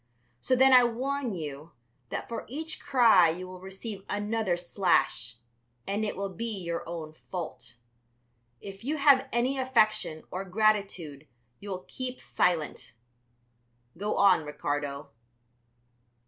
So then I warn you that for each cry you will receive another slash, and it will be your own fault. If you have any affection or gratitude you will keep silent. Go on, Ricardo."